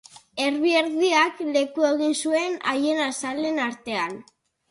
Erbi erdiak leku egin zuen haien azalen artean.